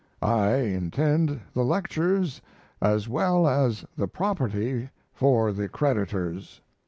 I intend the lectures as well as the property for the creditors.